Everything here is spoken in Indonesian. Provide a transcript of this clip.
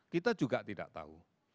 kita juga tidak tahu